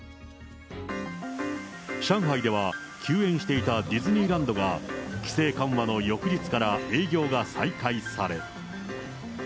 上海では、休園していたディズニーランドが、規制緩和の翌日から営業が再開され。